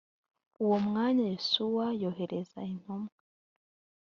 uwo mwanya yosuwa yohereza intumwa